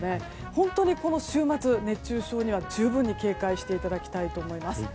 本当にこの週末熱中症には十分に警戒していただきたいと思います。